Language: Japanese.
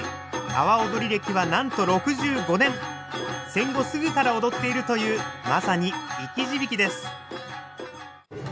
戦後すぐから踊っているというまさに生き字引です。